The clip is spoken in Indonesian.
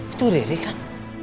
itu riri kan